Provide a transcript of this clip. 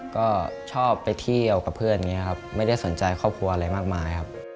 ก็ชอบไปเที่ยวกับเพื่อนอย่างนี้ครับไม่ได้สนใจครอบครัวอะไรมากมายครับ